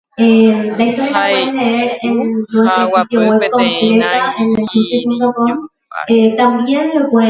hay'u ha aguapy peteĩ nangiriju ári.